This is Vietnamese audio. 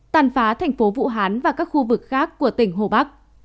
tàn phá thành phố vũ hán và các khu vực khác của tỉnh hồ bắc